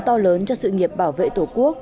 to lớn cho sự nghiệp bảo vệ tổ quốc